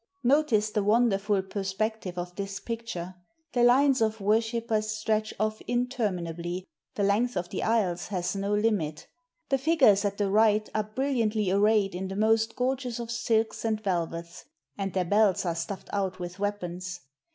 Notice the wonderful perspective of this picture: the lines of worshipers stretch off interminably, the length of the aisles has no limit. The figures at the right are brilliantly arrayed in the most gorgeous of silks and velvets, and their belts are stuffed out with weapons.